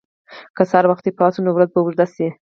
که سهار وختي پاڅو، نو ورځ به اوږده شي.